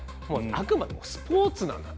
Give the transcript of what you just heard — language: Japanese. あくまでもスポーツなんだ。